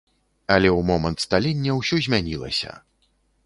Але ў момант сталення ўсё змянілася.